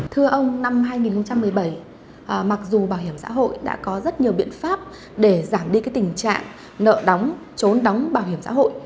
thưa ông năm hai nghìn một mươi bảy mặc dù bảo hiểm xã hội đã có rất nhiều biện pháp để giảm đi tình trạng nợ đóng trốn đóng bảo hiểm xã hội